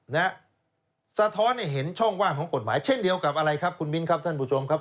นะฮะสะท้อนให้เห็นช่องว่างของกฎหมายเช่นเดียวกับอะไรครับคุณมิ้นครับท่านผู้ชมครับ